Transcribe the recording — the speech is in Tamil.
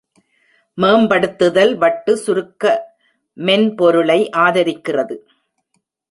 மேம்படுத்துதல் வட்டு சுருக்க மென்பொருளை ஆதரிக்கிறது.